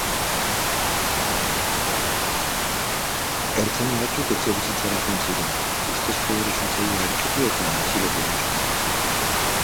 Ertzaina batzuk etxebizitzara joan ziren, ustezko erasotzailea aurkitu eta atxilotu egin zuten.